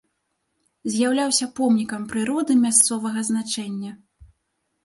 З'яўляўся помнікам прыроды мясцовага значэння.